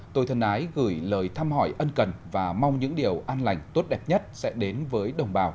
tôi thân ái gửi lời thăm hỏi ân cần và mong những điều an lành tốt đẹp nhất sẽ đến với đồng bào